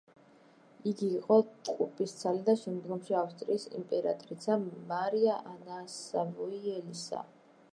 იგი იყო ტყუპისცალი და, შემდგომში ავსტრიის იმპერატრიცა მარია ანა სავოიელისა.